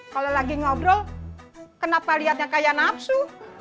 kalau lagi ngobrol kenapa lihatnya kayak nafsu